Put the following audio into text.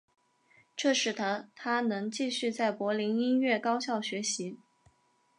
这使得他能继续在柏林音乐高校学习。